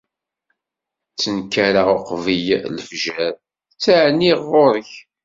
Ttnekkareɣ uqbel lefjer, ttɛenniɣ ɣur-k.